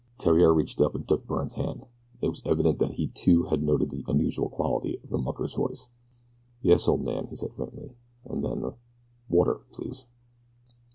Theriere reached up and took Byrne's hand. It was evident that he too had noted the unusual quality of the mucker's voice. "Yes, old man," he said very faintly, and then "water, please."